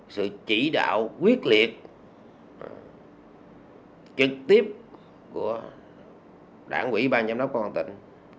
sự chỉ đạo quyết liệt trực tiếp của đảng quỹ bang giám đốc công an tỉnh